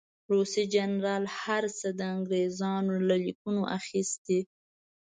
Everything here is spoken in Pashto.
روسي جنرال هر څه د انګرېزانو له لیکنو اخیستي.